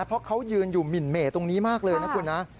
เพราะเขายืนอยู่หมินเหม่ตรงนี้มากเลยนะคุณนะ